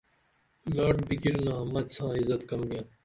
لاٹ بِگرنہ مچ ساں عزت کم بیاں